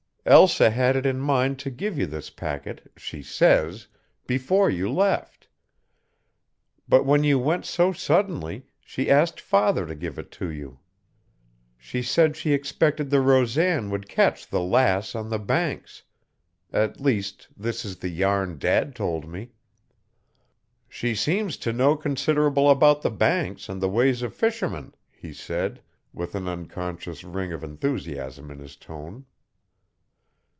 Elsa had it in mind to give you this packet, she says, before you left. But when you went so suddenly she asked father to give it to you. She said she expected the Rosan would catch the Lass on the Banks. At least, this is the yarn dad told me." "She seems to know considerable about the Banks and the ways of fishermen," he said, with an unconscious ring of enthusiasm in his tone.